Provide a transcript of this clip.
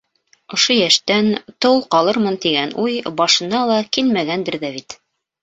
Ошо йәштән тол ҡалырмын тигән уй башына ла килмәгәндер ҙә бит...